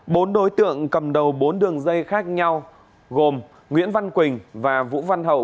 bốn đối tượng cầm đầu bốn đường dây khác nhau gồm nguyễn văn quỳnh và vũ văn hậu